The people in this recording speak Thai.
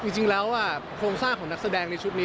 จริงแล้วโครงสร้างของนักแสดงในชุดนี้